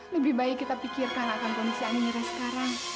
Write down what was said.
lebih baik kita pikirkan akan kondisi anginera sekarang